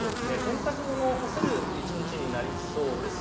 洗濯物も干せる一日になりそうです。